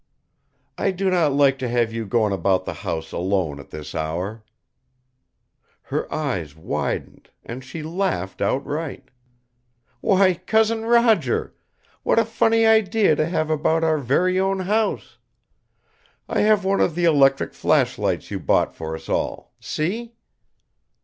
"I do not like to have you going about the house alone at this hour." Her eyes widened and she laughed outright. "Why, Cousin Roger! What a funny idea to have about our very own house! I have one of the electric flashlights you bought for us all; see?"